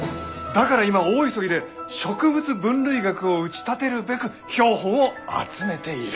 だから今大急ぎで植物分類学を打ち立てるべく標本を集めている。